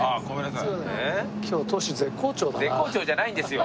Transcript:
絶好調じゃないんですよ。